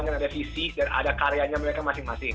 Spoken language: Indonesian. semuanya ada tujuan ada visi dan ada karyanya mereka masing masing